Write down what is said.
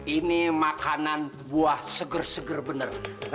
ini makanan buah seger seger bener